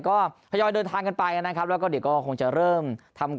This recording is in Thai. ก็ทยอยเดินทางกันไปนะครับแล้วก็เดี๋ยวก็คงจะเริ่มทำ